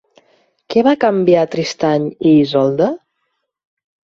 Què va canviar Tristany i Isolda?